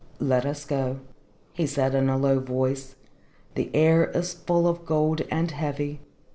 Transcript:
"Let us go," he said in a low voice. "The air is full of gold and heavy.